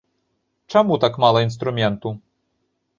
Чаму так мала інструменту?